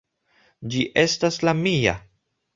Ĝi estas la mia.